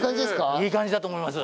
いい感じだと思います。